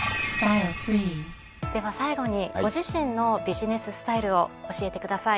では最後にご自身のビジネススタイルを教えてください。